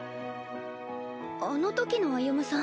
あの時の歩夢さん